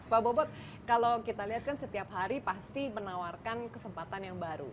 pak bobot kalau kita lihat kan setiap hari pasti menawarkan kesempatan yang baru